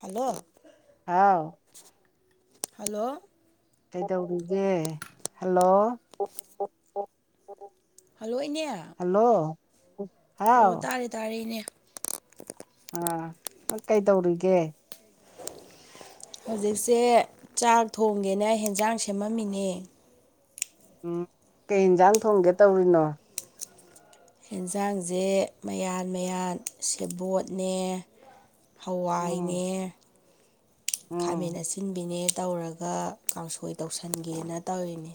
hello ꯍꯥꯎ hello ꯀꯩꯗꯧꯔꯤꯒꯦ hello hello ꯏꯅꯦ ꯍꯜꯂꯣ ꯑꯣ ꯍꯥꯎ ꯇꯥꯔꯦ ꯇꯥꯔꯦ ꯏꯅꯦ ꯑꯥ ꯅꯪ ꯀꯩꯗꯧꯔꯤꯒꯦ ꯍꯧꯖꯤꯛꯁꯦ ꯆꯥꯛ ꯊꯣꯡꯒꯦꯅ ꯑꯦꯟꯁꯥꯡ ꯁꯦꯝꯃꯝꯃꯤꯅꯦ ꯎꯝ ꯀꯩ ꯌꯦꯟꯁꯥꯡ ꯊꯣꯡꯒꯦ ꯇꯧꯔꯤꯅꯣ ꯑꯦꯟꯁꯥꯡꯁꯦ ꯃꯌꯥꯟ ꯃꯌꯥꯟ ꯁꯦꯕꯣꯠꯅꯦ ꯎꯝ ꯍꯋꯥꯏꯅꯦ ꯎꯝ ꯈꯥꯃꯦꯟ ꯑꯁꯤꯟꯕꯤꯅꯦ ꯇꯧꯔꯒ ꯀꯥꯡꯁꯣꯏ ꯇꯧꯁꯤꯟꯒꯦꯅ ꯇꯧꯔꯤꯅꯦ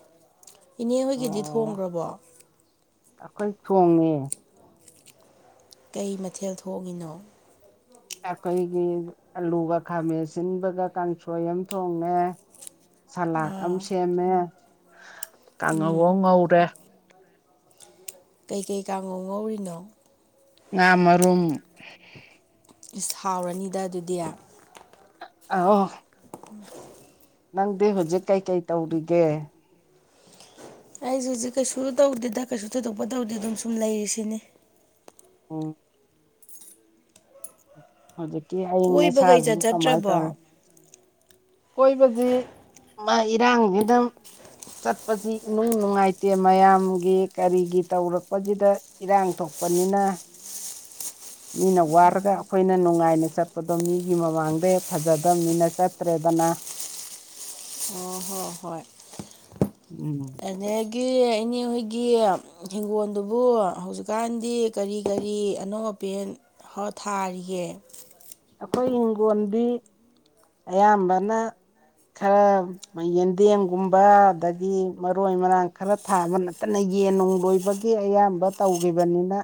ꯏꯅꯦ ꯑꯣ ꯍꯣꯏꯒꯤꯗꯤ ꯊꯣꯡꯈ꯭ꯔꯕꯣ ꯑꯩꯈꯣꯏ ꯊꯣꯡꯉꯦ ꯀꯩ ꯃꯊꯦꯜ ꯊꯣꯛꯉꯤꯅꯣ ꯑꯩꯈꯣꯏꯒꯤ ꯑꯂꯨꯒ ꯈꯥꯃꯦꯟ ꯑꯁꯤꯟꯕꯒ ꯀꯥꯡꯁꯣꯏ ꯑꯃ ꯊꯣꯡꯉꯦ ꯁꯂꯥꯗ ꯑꯃ ꯑꯥ ꯁꯦꯝꯃꯦ ꯎꯝ ꯀꯥꯡꯥꯡꯉꯒꯣꯡ ꯉꯧꯔꯦ ꯀꯩꯀꯩ ꯀꯥꯡꯉꯧ ꯉꯧꯔꯤꯅꯣ ꯉ ꯃꯔꯨꯝꯝ ꯏꯁ ꯍꯥꯎꯔꯅꯤꯗ ꯑꯗꯨꯗꯤ ꯑ ꯅꯪꯗꯤ ꯍꯧꯖꯤꯛ ꯀꯩꯀꯩ ꯇꯧꯔꯤꯒꯦ ꯑꯩꯁ ꯍꯧꯖꯤꯛ ꯀꯩꯁꯨ ꯇꯧꯗꯦꯗ ꯀꯩꯁꯨ ꯊꯣꯏꯗꯣꯛꯄ ꯇꯧꯗꯦ ꯑꯗꯨꯝ ꯁꯨꯝ ꯂꯩꯔꯤꯁꯤꯅꯤ ꯑꯣ ꯍꯧꯖꯤꯛꯀꯤ ꯑꯏ ꯀꯣꯏꯕꯒ ꯑꯁꯥꯁꯨ ꯏꯆꯠ ꯀꯃꯥꯏꯅ ꯆꯠꯇ꯭ꯔꯕꯣ ꯇꯧꯔꯤꯤ ꯀꯣꯏꯕꯗꯤ ꯃꯥ ꯏꯔꯥꯡꯁꯤꯗ ꯆꯠꯄꯁꯤ ꯏꯅꯨꯡ ꯅꯨꯡꯉꯥꯏꯇꯦ ꯃꯌꯥꯝꯒꯤ ꯀꯔꯤꯒꯤ ꯇꯧꯔꯛꯄꯁꯤꯗ ꯏꯔꯥꯡ ꯊꯣꯛ ꯄꯅꯤꯅ ꯃꯤꯅ ꯋꯥꯔꯒ ꯑꯩꯈꯣꯏꯅ ꯅꯨꯡꯉꯥꯏꯅ ꯆꯠꯄꯗꯣ ꯃꯤꯒꯤ ꯃꯃꯥꯡꯗ ꯐꯖꯗꯝꯕꯅꯤꯅ ꯆꯠꯇ꯭ꯔꯦ ꯗꯅ ꯑꯣ ꯍꯣ ꯍꯣꯏ ꯎꯝ ꯑꯗꯒꯤ ꯏꯅꯦ ꯍꯣꯏꯒꯤ ꯍꯤꯡꯒꯣꯜꯗꯨꯕꯨ ꯍꯧꯖꯤꯛꯀꯥꯟꯗꯤ ꯀꯔꯤ ꯀꯔꯤ ꯤ ꯑꯅꯧꯕ ꯄꯦꯟ ꯊꯥꯔꯤꯌꯦꯦ ꯑꯩꯈꯣꯏ ꯍꯤꯡꯈꯣꯟꯗꯤ ꯑꯌꯥꯝꯕꯅ ꯈꯔ ꯌꯦꯟꯗꯦꯝꯒꯨꯝꯕ ꯑꯗꯒꯤ ꯃꯔꯣꯏ ꯃꯔꯥꯡ ꯈꯔ ꯊꯥꯕ ꯅꯠꯇꯅ ꯌꯦꯟꯅꯨꯡ ꯂꯣꯏꯕꯒꯤ ꯑꯌꯥꯝꯕ ꯇꯧꯈꯤꯕꯅꯤꯅ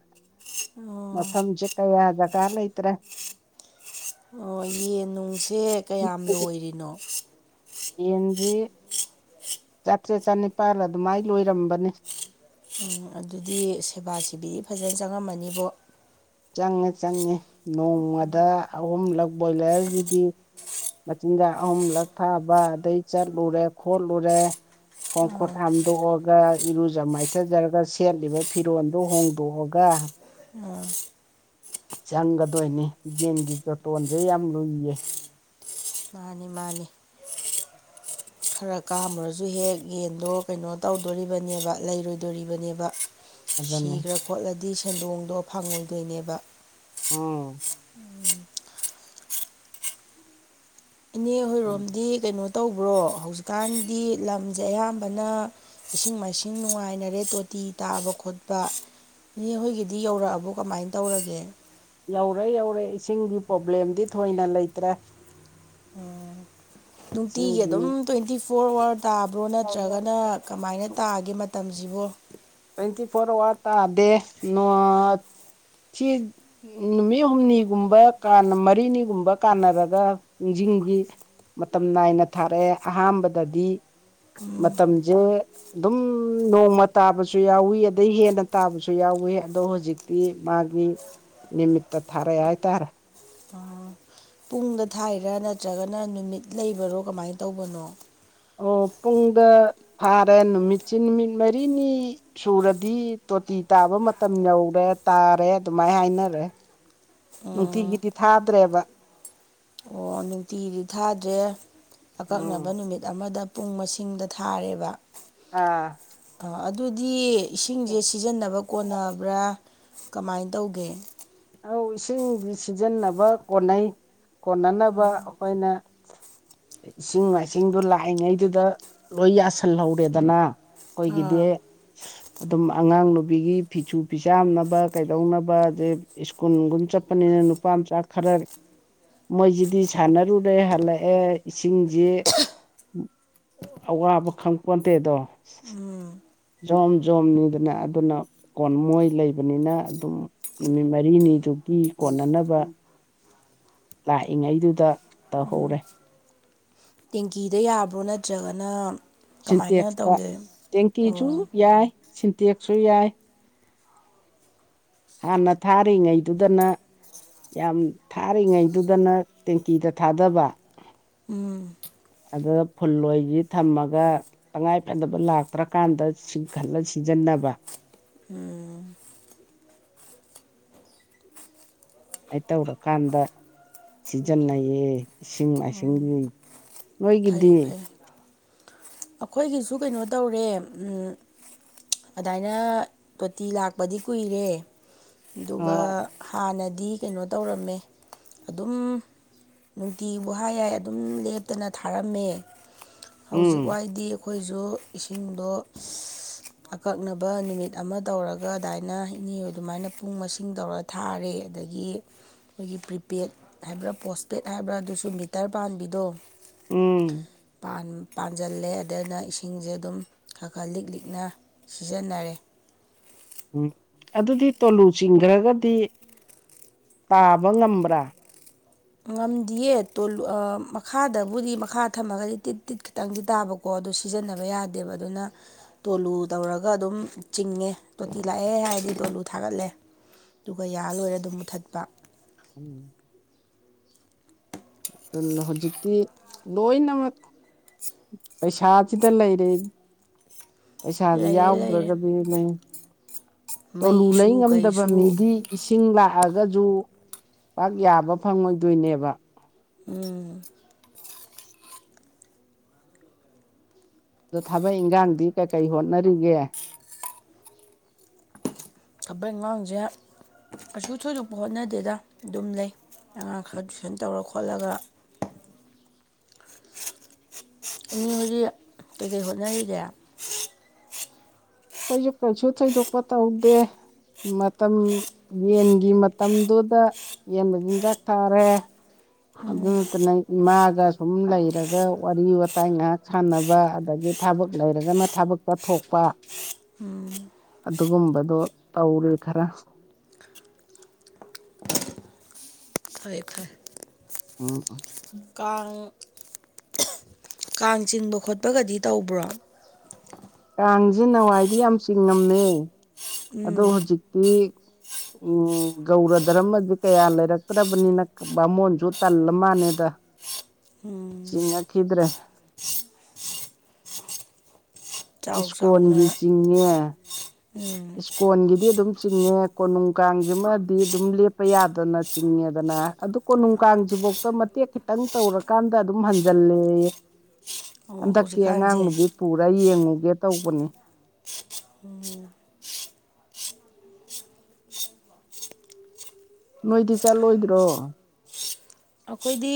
ꯑꯣ ꯃꯐꯝꯁꯦ ꯀꯌꯥ ꯖꯒꯥ ꯂꯩꯇ꯭ꯔꯦ ꯑꯣ ꯌꯦꯟ ꯅꯨꯡꯁꯦ ꯀꯌꯥꯝ ꯂꯣꯏꯔꯤꯅꯣ ꯌꯦꯟꯁꯤ ꯆꯥꯇ꯭ꯔꯦꯠ ꯆꯅꯤꯄꯥꯜ ꯑꯗꯨꯃꯥꯏꯅ ꯂꯣꯏꯔꯝꯕꯅꯤ ꯎꯝ ꯑꯗꯨꯗꯤ ꯁꯦꯕꯥ ꯁꯤꯦꯕꯤ ꯐꯖꯅ ꯆꯪꯉꯝꯃꯅꯤꯕꯣ ꯆꯪꯉꯦ ꯆꯪꯉꯦ ꯅꯣꯡꯃꯗ ꯑꯍꯨꯝꯂꯛ ꯕꯣꯏꯂꯔꯒꯤꯗꯤ ꯃꯆꯤꯟꯖꯥꯛ ꯑꯍꯨꯝꯂꯛ ꯊꯥꯕ ꯑꯗꯩ ꯆꯠꯂꯨꯔꯦ ꯈꯣꯠꯂꯨꯔꯦ ꯈꯣꯡꯈꯣꯠ ꯑꯥ ꯍꯥꯝꯗꯣꯛꯑꯒ ꯏꯔꯨꯖ ꯃꯥꯏꯊꯖꯔꯒ ꯁꯦꯠꯂꯤꯕ ꯐꯤꯔꯣꯜꯗꯨ ꯍꯣꯡꯗꯣꯛꯑꯒ ꯑ ꯆꯪꯒꯗꯣꯏꯅꯤ ꯌꯦꯟꯒꯤ ꯗꯣꯇꯣꯟꯁꯦ ꯌꯥꯝ ꯂꯨꯏꯌꯦ ꯃꯥꯅꯤ ꯃꯥꯅꯤ ꯈꯔ ꯀꯥꯝꯃꯨꯔꯁꯨ ꯍꯦꯛ ꯌꯦꯟꯗꯣ ꯀꯩꯅꯣ ꯇꯧꯗꯣꯔꯤꯕꯅꯦꯕ ꯂꯩꯔꯣꯏꯗꯣꯔꯤꯕꯅꯦꯕ ꯑꯗꯨꯅꯤ ꯁꯤꯈ꯭ꯔ ꯈꯣꯠꯂꯗꯤ ꯁꯦꯟꯗꯣꯡꯗꯣ ꯐꯪꯉꯨꯗꯣꯏꯅꯦꯕ ꯎ ꯑꯣꯝ ꯏꯅꯦ ꯍꯣꯏꯔꯣꯝꯗꯤ ꯀꯩꯅꯣ ꯇꯧꯕ꯭ꯔꯣ ꯍꯧꯖꯤꯛꯀꯥꯟꯗꯤ ꯂꯝꯁꯦ ꯑꯌꯥꯝꯕꯅ ꯏꯁꯤꯡ ꯃꯥꯏꯁꯤꯡ ꯅꯨꯡꯉꯥꯏꯅꯔꯦ ꯇꯣꯤ ꯐꯤ ꯇꯥꯕ ꯈꯣꯠꯄ ꯏꯍꯣꯏꯒꯤꯗꯤ ꯌꯧꯔꯛꯑꯕꯣ ꯀꯃꯥꯏꯅ ꯇꯧꯔꯒꯦ ꯌꯧꯔꯦ ꯌꯧꯔꯦ ꯏꯁꯤꯡꯒꯤ ꯄ꯭ꯔꯣꯕ꯭ꯂꯦꯝꯗꯤ ꯊꯣꯏꯅ ꯂꯩꯇ꯭ꯔꯦ ꯎꯝ ꯅꯨꯡꯇꯤꯒꯤ ꯏꯁꯤꯡꯗꯤ ꯑꯗꯨꯝ ꯇ꯭ꯋꯦꯟꯇꯤ ꯐꯣꯔ ꯑꯋꯥꯔ ꯇꯥꯕ꯭ꯔꯣ ꯅꯠꯇ꯭ꯔꯒꯅ ꯀꯃꯥꯏꯅ ꯇꯥꯒꯦ ꯃꯇꯝꯁꯤꯕ ꯇ꯭ꯋꯦꯟꯇꯤ ꯐꯣꯔ ꯑꯋꯥꯔ ꯇꯗꯦ ꯅ ꯁꯤ ꯅꯨꯃꯤꯠ ꯍꯨꯝꯅꯤꯒꯨꯝꯕ ꯃꯔꯤꯅꯤꯒꯨꯝꯕ ꯀꯥꯟꯅꯔꯒ ꯆꯤꯡ ꯃꯇꯝ ꯅꯥꯏꯅ ꯊꯥꯔꯛꯑꯦ ꯑꯍꯥꯟꯕꯗꯗꯤ ꯃꯇꯝꯁꯦ ꯑꯗꯨꯝ ꯅꯣꯡꯃ ꯇꯥꯕꯗ ꯌꯥꯎꯋꯤ ꯑꯗꯩ ꯍꯦꯟꯅ ꯇꯥꯕꯁꯨ ꯌꯥꯎꯋꯤ ꯑꯗꯣ ꯍꯧꯖꯤꯛꯇꯤ ꯃꯥꯒꯤ ꯅꯤꯡꯃꯤꯠꯇ ꯊꯥꯔ ꯍꯥꯏꯥꯏ ꯇꯔ ꯇꯨꯡꯗ ꯊꯥꯏꯔ ꯅꯠꯇ꯭ꯔꯒꯅ ꯅꯨꯃꯤꯠ ꯂꯩꯕꯔꯣ ꯀꯃꯥꯏꯅ ꯇꯧꯕꯅꯣ ꯑꯣ ꯄꯨꯡꯗ ꯐꯥꯔꯦ ꯅꯨꯃꯤꯠꯁꯤ ꯅꯨꯃꯤꯠ ꯃꯔꯤꯅꯤ ꯁꯨꯔꯗꯤ ꯇꯤ ꯇꯥꯕ ꯃꯇꯝ ꯌꯧꯔꯦ ꯇꯥꯔꯦ ꯑꯗꯨꯃꯥꯏꯅ ꯍꯥꯏꯅꯔꯦ ꯎꯝ, ꯅꯨꯡꯇꯤꯒꯤꯗꯤ ꯊꯥꯗ꯭ꯔꯦꯕ ꯅꯨꯡꯇꯤꯗꯤ ꯊꯥꯗ꯭ꯔꯦ ꯎꯝ ꯑꯀꯛꯅꯕ ꯅꯨꯃꯤꯠ ꯑꯃꯗ ꯄꯨꯡ ꯃꯁꯤꯡꯗ ꯊꯥꯔꯦꯕ ꯑꯥ ꯑꯥ ꯑꯗꯨꯗꯤ ꯏꯁꯤꯡꯁꯦ ꯁꯤꯖꯤꯟꯅꯕ ꯀꯣꯟꯅꯕ꯭ꯔꯥ ꯀꯃꯥꯏꯅ ꯇꯧꯒꯦ ꯂꯧꯧ ꯏꯁꯤꯡ ꯁꯤꯖꯤꯟꯅꯕ ꯀꯣꯟꯅꯩ ꯀꯣꯟꯅꯅꯕ ꯑꯩꯈꯣꯏꯅ ꯏꯁꯤꯡ ꯃꯥꯏꯁꯤꯡꯗꯨ ꯂꯥꯛꯏꯉꯩꯗꯨꯗ ꯂꯣꯏ ꯌꯥꯁꯜꯍꯧꯔꯦꯗꯅ ꯑꯥ ꯑꯣꯏꯣꯏꯒꯤꯗꯤꯦ ꯑꯗꯨꯝ ꯑꯉꯥꯡ ꯅꯨꯕꯤꯒꯤ ꯐꯤꯁꯨ ꯐꯤꯆꯥꯥꯝꯅꯕ ꯀꯩꯗꯧꯅꯕ ꯑꯦ ꯁ꯭ꯀꯨꯜꯒꯨꯝ ꯆꯠꯄꯅꯤꯅ ꯅꯨꯄꯥ ꯃꯆꯥ ꯈꯔ ꯃꯣꯏꯁꯤꯗꯤ ꯁꯥꯟꯅꯔꯨꯔꯦ ꯍꯜꯂꯛꯑꯦ ꯏꯁꯤꯡꯁꯤ ꯑꯋꯥꯕ ꯈꯪꯄꯣꯟꯗꯦꯗꯣ ꯖꯣꯝ ꯖꯣꯝꯅꯤꯗꯅ ꯑꯗꯨꯅ ꯀꯣꯟ ꯃꯣꯏ ꯂꯩꯕꯅꯤꯅ ꯑꯗꯨꯝ ꯅꯨꯃꯤꯠ ꯃꯔꯤꯅꯤ ꯃꯤꯗꯨꯒꯤ ꯀꯣꯟꯅꯅꯕ ꯂꯥꯛꯏꯉꯩꯗꯨꯗ ꯇꯧꯍꯧꯔꯦ ꯇꯦꯡꯀꯤꯗ ꯌꯥꯕ꯭ꯔꯣ ꯅꯠꯇ꯭ꯔꯒꯅ ꯀꯃꯥꯏꯅ ꯁꯤꯟꯇꯦꯛꯁꯇ ꯇꯧꯒꯦ ꯇꯦꯡꯀꯤꯁꯨ ꯑꯣ ꯌꯥꯏ ꯁꯤꯟꯇꯦꯛꯁꯨ ꯌꯥꯏ ꯍꯥꯟꯅ ꯊꯥꯔꯤꯉꯩꯗꯨꯗꯅ ꯌꯥꯝ ꯊꯥꯔꯤꯉꯩꯗꯨꯗꯅ ꯇꯦꯡꯀꯤꯗ ꯊꯥꯗꯕ ꯎꯝ ꯑ ꯐꯨꯜꯣꯏꯁꯤ ꯊꯝꯃꯒ ꯇꯉꯥꯏꯐꯗꯕ ꯂꯥꯛꯇ꯭ꯔꯀꯥꯟꯗꯁꯤꯡ ꯈꯜꯂ ꯁꯤꯖꯟꯅ ꯊꯕ ꯑꯩ ꯇꯧꯔꯀꯥꯟꯗ ꯁꯤꯖꯤꯟꯅꯩꯌꯦ ꯏꯁꯤꯡ ꯃꯥꯏꯁꯤꯡ ꯍꯣꯏꯒꯗꯦ ꯐꯩ ꯐꯩ ꯑꯩꯈꯣꯏꯒꯤꯁꯨ ꯀꯩꯅꯣ ꯇꯧꯔꯦ ꯑꯗꯨꯃꯥꯏꯅ ꯇꯣꯇꯤ ꯂꯥꯛꯄꯗꯤ ꯀꯨꯏꯔꯦ ꯑꯗꯨꯒ ꯍꯣꯏ ꯍꯥꯟꯅꯗꯤ ꯀꯩꯅꯣ ꯇꯧꯔꯝꯃꯦ ꯑꯗꯨꯝ ꯅꯨꯡꯇꯤ ꯕꯨꯍꯥ ꯌꯥꯏ ꯑꯗꯨꯝ ꯂꯦꯞꯇꯅ ꯊꯥꯔꯝꯃꯦ ꯎꯝ ꯍꯧꯖꯤꯛꯋꯥꯏꯗꯤ ꯑꯩꯈꯣꯏꯁꯨ ꯏꯁꯤꯡꯗꯣ ꯑꯀꯛꯅꯕ ꯅꯨꯃꯤꯠ ꯑꯃ ꯇꯧꯔꯒ ꯑꯗꯨꯃꯥꯏꯅ ꯏꯅꯦ ꯑꯗꯨꯃꯥꯏꯅ ꯄꯨꯡ ꯃꯁꯤꯡ ꯇꯧꯔ ꯊꯥꯔꯦ ꯑꯗꯒꯤ ꯑꯩꯈꯣꯏꯒꯤ ꯄ꯭ꯔꯤꯄꯦꯗ ꯍꯥꯏꯕ꯭ꯔꯥ ꯄꯣꯁꯄꯦꯗ ꯍꯥꯏꯕ꯭ꯔꯥ ꯑꯗꯨꯁꯨ ꯃꯤꯇꯔ ꯄꯕꯤꯗꯣ ꯎꯝ ꯄꯥꯟꯁꯤꯜꯂꯦ ꯑꯗꯨꯅ ꯏꯁꯤꯡꯁꯦ ꯑꯗꯨꯝ ꯈꯔ ꯈꯔ ꯂꯤꯛ ꯂꯤꯛꯅ ꯁꯤꯖꯟꯅꯔꯦ ꯎꯝ ꯑꯗꯨꯗꯤ ꯇꯣꯂꯨ ꯆꯤꯡꯈ꯭ꯔꯒꯗꯤ ꯇꯥꯕ ꯉꯝꯕ꯭ꯔꯥ ꯉꯝꯗꯤꯌꯦꯣ ꯃꯈꯥꯗꯕꯨꯗꯤ ꯃꯈꯥ ꯊꯝꯃꯒꯗꯤ ꯇꯤꯠ ꯇꯤꯠ ꯈꯤꯇꯪꯗꯤ ꯇꯥꯕꯀꯣ ꯑꯗꯨ ꯁꯤꯖꯤꯟꯅꯕ ꯌꯥꯗꯦꯕ ꯑꯗꯨꯅ ꯇꯣꯂꯨ ꯇꯧꯔꯒ ꯑꯗꯨꯝ ꯆꯤꯡꯉꯦ ꯇꯣꯇꯤ ꯂꯥꯛꯑꯦ ꯍꯥꯏ ꯒꯤꯗꯣ ꯑꯂꯨ ꯊꯥꯒꯠꯂꯦ ꯑꯗꯨꯒ ꯌꯥ ꯂꯣꯏꯔꯦ ꯑꯗꯨꯝ ꯃꯨꯊꯠꯄ ꯎꯝ ꯑꯗꯨ ꯍꯧꯖꯤꯛꯇꯤ ꯂꯣꯏꯅꯃꯛ ꯄꯩꯁꯥꯁꯤꯗ ꯂꯩꯔꯦ ꯄꯩꯁꯥꯗꯤ ꯂꯩꯔꯦ ꯂꯩꯔꯦ ꯌꯥꯎꯗ꯭ꯔꯒꯗꯤ ꯂꯩ ꯇꯣꯂꯨ ꯂꯩ ꯃꯩꯁꯨ ꯉꯝꯗꯕ ꯀꯩꯁꯨ ꯃꯤꯗꯤ ꯏꯁꯤꯡ ꯂꯥꯛꯑꯒ ꯒꯖꯨ ꯄꯥꯛ ꯌꯥꯕ ꯐꯪꯉꯣꯏꯗꯣꯏꯅꯦꯕ ꯎꯝ ꯑꯗꯣ ꯊꯕꯛ ꯏꯪꯈꯥꯡꯗꯤ ꯀꯩꯀꯩ ꯍꯣꯠꯅꯔꯤꯒꯦ ꯊꯕꯛ ꯏꯉꯥꯡꯁꯦ ꯀꯩꯁꯨ ꯊꯣꯏꯗꯣꯛꯄ ꯍꯣꯠꯅꯗꯦꯗ ꯑꯗꯨꯝ ꯂꯩ ꯑꯉꯥꯡ ꯈꯔ ꯇꯨꯏꯁꯟ ꯇꯧꯔ ꯈꯣꯠꯂꯒ [inaudible] ꯑꯅꯤ ꯍꯧꯖꯤꯛ ꯀꯩꯀꯩ ꯍꯣꯠꯅꯔꯤꯒ‌ꯦ ꯑꯈꫭꯏꯁꯨ ꯀꯩꯁꯨ ꯊꯣꯏꯗꯣꯛꯄ ꯇꯧꯗꯦ ꯃꯇꯝ ꯌꯦꯟꯒꯤ ꯃꯇꯝꯗꯨꯗ ꯌꯦꯟꯕ ꯆꯤꯟꯗꯥꯛ ꯊꯥꯔꯦ ꯑꯗꯨ ꯅꯠꯇꯅ ꯏꯃꯥꯒ ꯁꯨꯝ ꯂꯩꯔꯒ ꯋꯥꯔꯤ ꯋꯥꯋꯇꯥꯏ ꯉꯥꯏꯍꯥꯛ ꯁꯥꯟꯅꯕ ꯑꯗꯒꯤ ꯊꯕꯛ ꯂꯩꯔꯒꯅ ꯊꯕꯛꯆꯠꯊꯣꯛꯄ ꯑꯗꯨꯒꯨꯝꯕꯗꯣ ꯇꯧꯔꯤ ꯈꯔ [inaudible] ꯐꯔꯦ ꯐꯔꯦ ꯎꯝ ꯎꯝ ꯀꯥꯡ ꯀꯥꯡ ꯆꯤꯡꯕ ꯈꯣꯠꯄꯒꯗꯤ ꯇꯧꯕ꯭ꯔꯣ ꯀꯥꯡꯁꯦ ꯅꯋꯥꯏꯗꯤ ꯌꯥꯝ ꯆꯤꯡꯉꯝꯃꯦ ꯑꯗꯣ ꯎꯝ ꯍꯧꯖꯤꯛꯇꯤ ꯎꯝ ꫪꯧꯔꯗꯔꯝꯃꯖ‌ꯦ ꯀꯌꯥ ꯂꯩꯔꯛꯇ꯭ꯔꯕꯅꯤꯅ ꯕꯥꯃꯣꯟꯁꯨ ꯇꯜꯂ ꯃꯥꯜꯂꯗ ꯎꯝ ꯆꯤꯡꯉꯛꯈꯤꯗ꯭ꯔꯦ ꯆꯥꯎ ꯆꯥꯎꯅ ꯏꯁꯀꯣꯟꯒꯤ ꯆꯤꯡꯉ‌ꯦ ꯎꯝ ꯏꯁꯀꯣꯟꯒꯤꯗꯤ ꯑꯗꯨꯝ ꯆꯤꯡꯉꯦ ꯀꯣꯅꯨꯡ ꯀꯥꯡꯁꯤꯃꯗꯤ ꯑꯗꯨꯝ ꯂꯦꯞꯄ ꯌꯥꯗꯅ ꯆꯤꯡꯉꯦꯗꯅ ꯑꯗꯨ ꯀꯣꯅꯨꯡ ꯀꯥꯡꯁꯤꯐꯧꯗ ꯃꯇꯦꯛ ꯈꯤꯇꯪ ꯇꯧꯔꯀꯥꯟꯗ ꯑꯗꯨꯝ ꯍꯟꯖꯜꯂꯌ‌ꯦ [inaudible] ꯑꯣ ꯍꯟꯗꯛꯇꯤ ꯍꯧꯖꯤꯛꯀꯥꯟꯁꯦ ꯑꯉꯥꯡꯅꯨꯕꯤ ꯄꯨꯔ ꯌꯦꯡꯉꯨꯒꯦ ꯇꯧꯕꯅꯤ ꯅꯣꯏꯗꯤ ꯆꯠꯂꯣꯏꯗ꯭ꯔꯣ ꯑꯩꯈꯣꯏꯗꯤ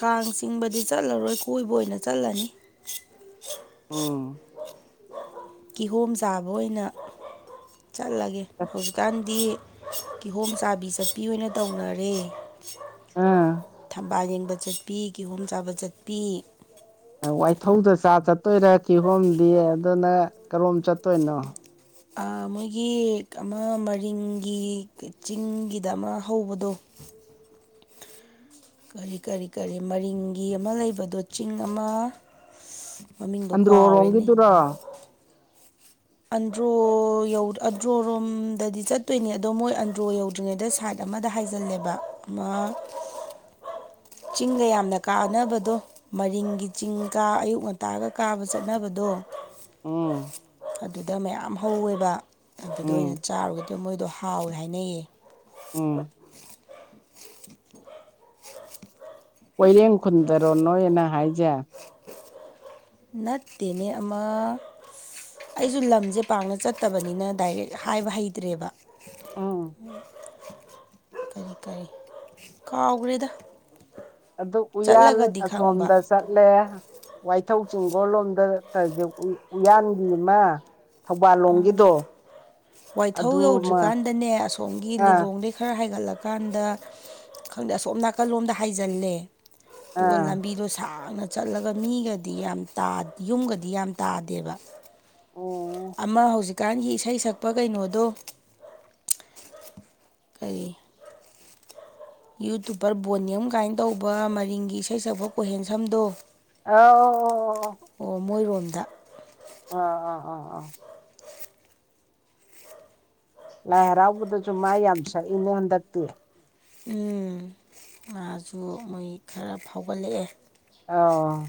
ꯀꯥꯡ ꯆꯤꯡꯕꯗꯤ ꯆꯠꯂꯔꯣꯏ ꯀꯣꯏꯕ ꯑꯣꯏꯅ ꯆꯠꯂꯅꯤ ꯎꯝ ꯀꯤꯍꯣꯝ ꯆꯥꯕ ꯑꯣꯏꯅ ꯆꯠꯂꯒꯦ ꯍꯧꯖꯤꯛꯀꯥꯟꯗꯤ ꯀꯤꯍꯣꯝ ꯆꯥꯕꯤ ꯆꯠꯄꯤ ꯑꯣꯏꯅ ꯇꯧꯅꯔꯦ ꯑꯥ ꯊꯝꯕꯥꯜ ꯌꯦꯡ ꯆꯠꯄꯤ ꯀꯤꯍꯣꯝ ꯆꯥꯕ ꯆꯠꯄꯤ ꯋꯥꯏꯊꯧꯗ ꯆꯥ ꯆꯠꯇꯣꯏꯔꯥ ꯀꯤꯍꯣꯝꯗꯤ ꯑꯗꯨꯅ ꯀꯔꯣꯝ ꯆꯠꯇꯣꯏꯅꯣ ꯑꯥ ꯃꯣꯏꯒꯤ ꯑꯃ ꯃꯔꯤꯡꯒꯤ ꯆꯤꯡꯒꯤꯗ ꯑꯃ ꯍꯧꯕꯗꯣ [inaudible] ꯀꯔꯤ ꯀꯔꯤ ꯀꯔꯤ ꯃꯔꯤꯡꯒꯤ ꯑꯃ ꯂꯩꯕꯗꯣ ꯆꯤꯡ ꯑꯃ ꯃꯃꯤꯡꯗꯣ ꯑꯗꯔꯣ ꯀꯥꯎꯔꯦꯅꯦ ꯍꯣꯝꯒꯤꯗꯨꯔꫭ ꯑꯟꯗ꯭ꯔꯣ ꯑꯟꯗ꯭ꯔꯣ ꯔꯣꯝꯗꯗꯤ ꯆꯠꯇꯣꯏꯅꯤ ꯑꯗꯣ ꯃꯣꯏ ꯑꯟꯗ꯭ꯔꯣ ꯌꯧꯗ꯭ꯔꯤꯉꯩꯗ ꯁꯥꯥꯠ ꯑꯃꯗ ꯍꯥꯏꯖꯜꯂꯦꯕ ꯑꯃ [inaudible] ꯆꯤꯡꯒ ꯌꯥꯝꯅ ꯀꯥꯅꯕꯗꯣ ꯃꯔꯤꯡꯒꯤ ꯆꯤꯡ ꯀ ꯑꯌꯨꯛ ꯉꯟꯇꯥꯒ ꯀꯥꯕ ꯆꯠꯅꯕꯗꯣ ꯎꯝ ꯑꯗꯨꯗ ꯃꯌꯥꯝ ꯍꯧꯋꯦꯕ ꯑꯗꯨꯗ ꯎꯝ ꯑꯣꯏꯅ ꯆꯥꯔꯨꯒ‌ꯦꯇꯧꯕ ꯃꯣꯏꯗꯣ ꯍꯥꯎꯋꯦ ꯍꯥꯏꯅꯩꯌꯦ ꯎꯝ [unintelligible] ꯀꯣꯏꯔꯦꯡ ꯈꯨꯟꯗꯔꯣ ꯅꯣꯏꯅ ꯍꯥꯏꯖꯦ ꯅꯠꯇꯦꯅꯦ ꯑꯃ ꯑꯩꯁꯨ ꯂꯝꯁꯦ ꯄꯥꯡꯅ ꯆꯠꯇꯕꯅꯤꯅ ꯗꯥꯏꯔꯦꯛ ꯍꯥꯏꯕ ꯍꯩꯇ꯭ꯔꯦꯕ ꯎꯝ ꯀꯔꯤ ꯀꯔꯤ ꯀꯥꯎꯒ꯭ꯔꯦꯗ ꯑꯗꯨ ꯎꯌꯥꯜ ꯑꯁꯣꯝꯗ ꯆꯠꯂꯦ ꯋꯥꯏꯊꯧ ꯆꯤꯡꯒꯣꯜ ꯂꯣꯝꯗ ꯇꯧꯔꯤꯁꯦ ꯎꯌꯥꯟꯒꯤ ꯑꯃ ꯊꯧꯕꯥꯜ ꯑ ꯂꯣꯝꯒꯤꯗꯣ ꯋꯥꯏꯊꯧ ꯑꯗꯨꯃ ꯌꯧꯗ꯭ꯔꯤꯀꯥꯟꯗꯅꯦ ꯑꯁꯣꯝꯒꯤ ꯑꯥ ꯂꯤꯂꯣꯡꯗꯩ ꯈꯔ ꯍꯥꯏꯒꯠꯂꯛꯄ ꯀꯥꯟꯗ ꯈꯪꯗꯦ ꯑꯁꯣꯝ ꯅꯥꯀꯜ ꯂꯣꯝꯗ ꯍꯥꯏꯖꯜꯂꯦ ꯑꯗꯨꯒ ꯑꯥ ꯂꯝꯕꯤꯗꯣ ꯁꯥꯡ ꯅ ꯆꯠꯂꯒ ꯃꯤꯒꯗꯤ ꯌꯥꯝ ꯌꯨꯝꯒꯗꯤ ꯌꯥꯝ ꯇꯥꯗꯦꯕ ꯑꯣ ꯑꯃ ꯍꯧꯖꯤꯛꯀꯥꯟꯒꯤ ꯏꯁꯩ ꯁꯛꯄ ꯀꯩꯅꯣꯗꯣ ꯀꯔꯤ ꯌꯨꯇꯨꯞꯕꯄꯔ ꯕꯣꯅꯤꯝ ꯀꯥꯏꯅ ꯇꯧꯕ ꯃꯔꯤꯡꯒꯤ ꯏꯁꯩ ꯁꯛꯄ ꯀꯣꯏꯍꯦꯟ ꯁꯝꯗꯣ ꯑꯣ ꯍꯨꯝꯗ ꯑꯥ ꯑꯥ ꯑꯥ ꯑꯥ ꯂꯥꯏ ꯍꯔꯥꯎꯕꯗꯁꯨ ꯃꯥ ꯌꯥꯝ ꯁꯛꯏꯅꯦ ꯍꯟꯗꯛꯇꯤ ꯎꯝ ꯉꯥꯁꯨ ꯃꯣꯏ ꯈꯔ ꯐꯥꯎꯒꯠꯂꯛꯑꯦ ꯑ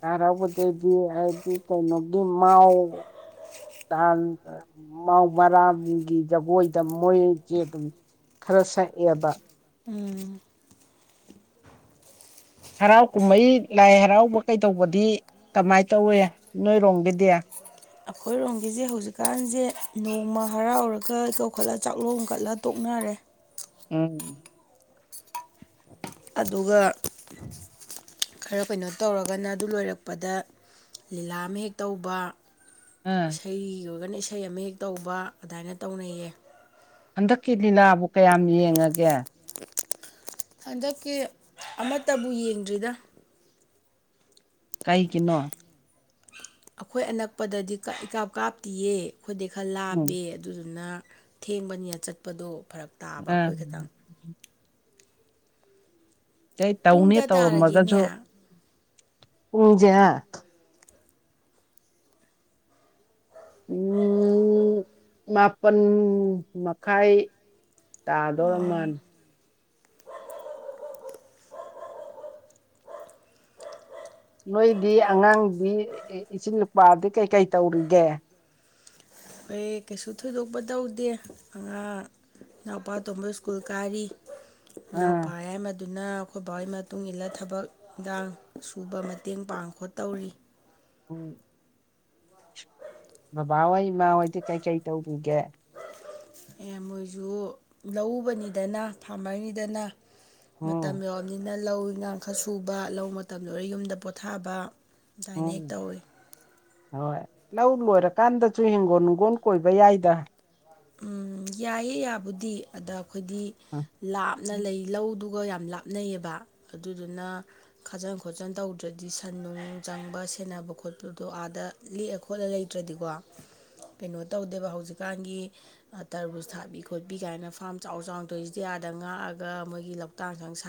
ꯌꯥꯔꯕꯗꯩꯗꯤ ꯍꯥꯏꯗꯤ ꯀꯩꯅꯣꯒꯤ ꯃꯥꯎ ꯃꯥꯧ ꯃꯔꯥꯒꯤ ꯖꯒꯣꯏꯗ ꯃꯣꯏꯁꯦ ꯑꯗꯨꯝ ꯈꯔ ꯁꯛꯑꯕ ꯑꯥ ꯍꯔꯥꯎ ꯀꯨꯝꯍꯩ ꯂꯥꯏ ꯍꯔꯥꯎꯕ ꯀꯩꯗꯧꯕꯗꯤ ꯀꯃꯥꯏꯅ ꯇꯧꯏꯦ ꯅꯣꯏꯔꯣꯝꯒꯤꯗꯤ ꯑꯩꯈꯣꯏꯔꯣꯝꯒꯤꯁꯦ ꯍꯧꯖꯤꯛꯀꯥꯟꯁꯦ ꯅꯣꯡꯃ ꯍꯔꯥꯎꯔꯒ ꯀꯧꯈꯠꯂ ꯆꯥꯛꯂꯣꯡꯝ ꯀꯠꯂ ꯇꯣꯛꯅꯤꯡ ꯔꯦ ꯎꯝ ꯑꯗꯨꯒ ꯈꯔ ꯀꯩꯅꯣ ꯇꯧꯔꯒꯅ ꯑꯗꯨ ꯂꯣꯏꯔꯛꯄꯗ ꯂꯤꯂꯥ ꯑꯃ ꯍꯦꯛ ꯇꯧꯕ ꯑꯥ ꯏꯁꯩꯒꯤ ꯑꯣꯏꯔꯒꯅ ꯏꯁꯩ ꯑꯃ ꯍꯦꯛ ꯇꯧꯕ ꯑꯗꯨꯃꯅ ꯇꯧꯅꯩꯌꯦ ꯍꯟꯗꯛꯀꯤ ꯂꯤꯂꯥꯕꯨ ꯀꯌꯥꯝ ꯌꯦꯡꯉꯒꯦ ꯍꯟꯗꯛꯀꯤ ꯑꯃꯠꯇꯕꯨ ꯌꯦꯡꯗ꯭ꯔꯤꯗ ꯀꯩꯒꯤꯅꯣ ꯑꯈꯣꯏ ꯑꯅꯛꯄꯥꯗꯗꯤ ꯀꯤꯝ ꯏꯀꯥꯞ ꯀꯥꯞꯇꯤꯌꯦ ꯑꯈꯣꯏꯗꯩ ꯈ꯭ꯔꯥ ꯎꯝ ꯂꯥꯞꯄꯦ ꯑꯗꯨꯗꯨꯅ ꯊꯦꯡꯕꯅꯤꯅ ꯆꯠꯄꯗꯣ ꯐꯥꯔꯛ ꯇꯥꯕ ꯑꯥ ꯑꯥꯈꯣꯏ ꯈꯛꯇ ꯑꯦ ꯄꯨꯡ ꯇꯧꯅꯦ ꯀꯌꯥ ꯇꯥꯔꯒꯦ ꯏꯅꯦ ꯇꯧꯔꯝꯃꯒꯖꯨ ꯄꯨꯡꯁꯦ ꯍꯥ ꯑꯝ ꯃꯥꯄꯟ ꯃꯈꯥꯏ ꯇꯥꯗꯧꯔꯃꯥꯟ ꯅꯣꯏꯗꯤ ꯑꯉꯥꯡꯗꯤ ꯏꯆꯤꯜ ꯏꯄꯨꯋꯥꯗꯤ ꯀꯩꯀꯩ ꯇꯧꯔꯤꯒꯦ ꯑꯩ ꯀꯩꯁꯨ ꯊꯣꯏꯗꯣꯛꯄ ꯇꯧꯗꯦ ꯑꯥ ꯏꯅꯥꯎꯄꯥ ꯑꯇꯣꯝꯕꯗꯨ ꯏꯁ꯭ꯀꯨꯜ ꯀꯥꯔꯤ ꯏꯅꯥꯎꯄ ꯑꯥ ꯌꯥꯏꯃꯥ ꯑꯗꯨꯅꯥ ꯑꯈꯣꯏ ꯕꯥ ꯍꯣꯏ ꯃꯇꯨꯡ ꯏꯜꯂ ꯊꯥꯕꯛ ꯏꯟꯈꯥꯡ ꯁꯨꯕ ꯃꯇꯦꯡ ꯄꯥꯡ ꯈꯣꯠ ꯇꯧꯔꯤ ꯑꯝ ꯕꯥꯕꯥ ꯍꯣꯏ ꯏꯃꯥ ꯍꯣꯏꯗꯤ ꯀꯩꯀꯩ ꯇꯧꯔꯤꯒꯦ ꯑꯦ ꯃꯣꯏꯁꯨ ꯂꯧꯎꯕꯥꯅꯤꯗꯅꯥ ꯐꯥꯝꯃꯔꯅꯤꯗꯥꯅ ꯃꯇꯝ ꯎꯝ ꯌꯧꯔꯥꯕꯅꯤꯅ ꯂꯧ ꯏꯟꯈꯥꯡ ꯈ꯭ꯔꯥ ꯁꯨꯕ ꯂꯧ ꯃꯇꯝ ꯂꯣꯏꯔ ꯌꯨꯝꯗ ꯄꯣꯊꯥꯕ ꯑꯥꯗꯥꯥꯏꯅ ꯍꯦꯛ ꯎꯝ ꯇꯧꯔꯤ ꯍꯣꯏ ꯂꯧ ꯂꯣꯏꯔ ꯀꯥꯟꯗꯁꯨ ꯍꯤꯡꯒꯣꯜ ꯅꯨꯡꯒꯣꯜ ꯀꯣꯏꯕ ꯌꯥꯏꯗ ꯑꯝ ꯌꯥꯏꯌꯦꯦ ꯌꯥꯕꯨꯗꯤ ꯑꯗꯥ ꯑꯩꯈꯣꯏꯗꯤ ꯎꯝ ꯂꯥꯞꯅ ꯂꯩ ꯂꯧꯗꯨꯒꯥ ꯌꯥꯝ ꯂꯥꯞꯅꯩꯌꯦꯕ ꯑꯗꯨꯗꯨꯅꯥ ꯈꯥꯖꯟ ꯈꯣꯠꯆꯟ ꯇꯧꯗ꯭ꯔꯗꯤ ꯁꯟ ꯅꯨꯡ ꯆꯪꯕ ꯁꯦꯟꯅꯥ ꯇꯧꯕ ꯈꯣꯠꯄꯗꯣ ꯑꯥꯗ ꯂꯦꯛꯑꯥ ꯈꯣꯠꯂꯥ ꯂꯩꯇ꯭ꯔꯗꯤꯀꯣ ꯀꯩꯅꯣ ꯇꯧꯗꯦꯕ ꯍꯧꯖꯤꯛꯀꯥꯟꯒꯤ ꯇ꯭ꯔꯕꯨꯁ ꯊꯥꯕꯤ ꯈꯣꯠꯄꯤ ꯀꯥꯏꯅ ꯐ꯭ꯥꯔꯃ ꯆꯥꯎ ꯆꯥꯎꯅ ꯇꯣꯏꯁꯤꯗꯤ ꯑꯥꯗ ꯉꯥꯛꯑꯒ ꯃꯣꯏꯒꯤ ꯂꯧꯇꯥꯛ ꯁꯪ ꯁꯥꯏ